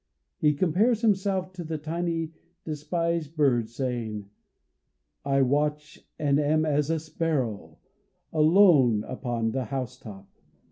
He compares himself to the tiny, despised bird, saying: "I watch and am as a sparrow, alone upon the housetop."